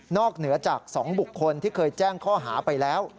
เหนือจาก๒บุคคลที่เคยแจ้งข้อหาไปแล้ว